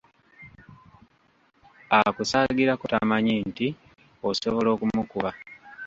Akusaagirako tamanyi nti osobola okumukuba.